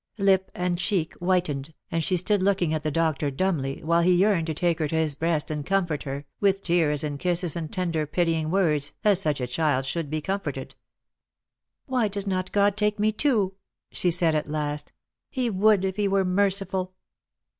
Lip and cheek whitened, and she stood looking at the doctor dumbly, while he yearned to take her to his breast and comfort her, with tears and kisses and tender pitying words, as such a child should be comforted. "Why does not God take me too?" she said at last ; "He would if He were merciful."